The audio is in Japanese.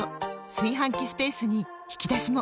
炊飯器スペースに引き出しも！